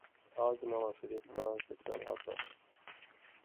آج نواز شریف کا ذکر آتا ہے۔